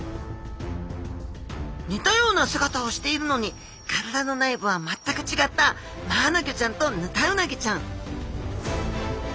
似たような姿をしているのに体の内部は全く違ったマアナゴちゃんとヌタウナギちゃん